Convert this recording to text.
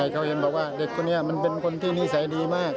เขาเห็นบอกว่าเด็กคนนี้มันเป็นคนที่นิสัยดีมาก